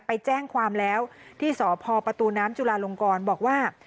ไปแจ้งความแล้วที่สพประตูน้ำจุลาลงกรบอกว่า